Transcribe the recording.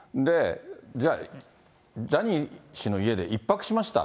じゃあ、ジャニー氏の家で１泊しました。